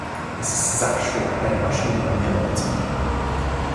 Es ist sackschwer, einer Maschine Manieren beizubringen.